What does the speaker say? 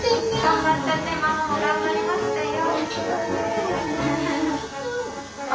ママも頑張りましたよ。